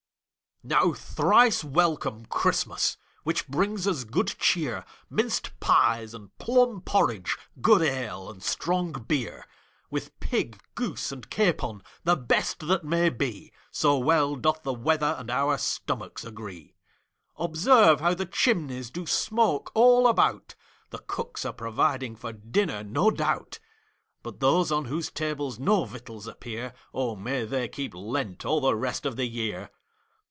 Now thrice welcome, Christmas, Which brings us good cheer, Minced pies and plum porridge, Good ale and strong beer; With pig, goose, and capon, The best that may be, So well doth the weather And our stomachs agree. Observe how the chimneys Do smoke all about; The cooks are providing For dinner, no doubt; But those on whose tables No victuals appear, O may they keep Lent All the rest of the year.